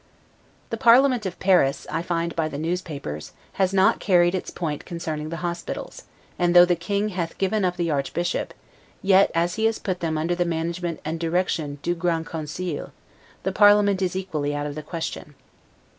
The parliament of Paris, I find by the newspapers, has not carried its point concerning the hospitals, and, though the King hath given up the Archbishop, yet as he has put them under the management and direction 'du Grand Conseil', the parliament is equally out of the question.